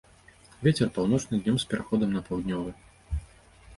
Вецер паўночны, днём з пераходам на паўднёвы.